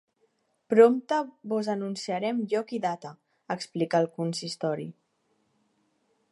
Prompte vos anunciarem lloc i data, explica el consistori.